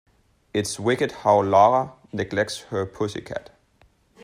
It's wicked how Lara neglects her pussy cat.